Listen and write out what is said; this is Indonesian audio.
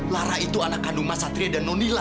lara itu anak kandung mas satria dan nonila